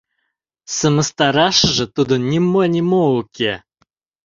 Сымыстарашыже тудын нимо-нимо уке.